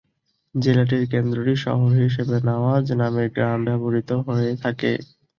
জেলাটির কেন্দ্রটি শহর হিসেবে নওয়াজ নামের গ্রাম ব্যবহৃত হয়ে থাকে।